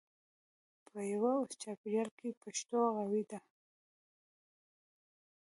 په یوه چاپېریال کې پښتو قوي ده.